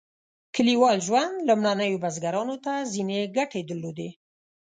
کلیوال ژوند لومړنیو بزګرانو ته ځینې ګټې درلودې.